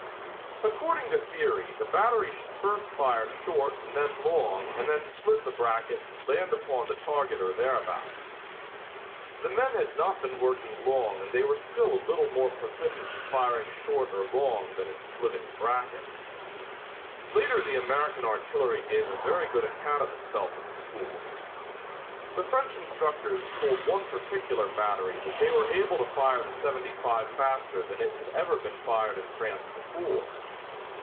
According to theory the battery should first fire short and then long and then split the bracket and land upon the target or thereabouts. The men had not been working long and they were still a little more proficient in firing short or long than in splitting the bracket. Later the American artillery gave a very good account of itself at the school. The French instructors told one particular battery that they were able to fire the seventy five faster than it had ever been fired in France before.